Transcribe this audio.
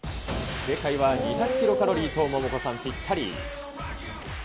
正解は２００キロカロリーとモモコさん、ぴったり。